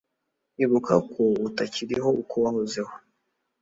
ibuka ko utakiriho uko wahozeho